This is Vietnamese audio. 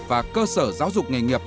và cơ sở giáo dục nghề nghiệp